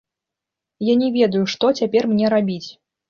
Я не ведаю, што цяпер мне рабіць?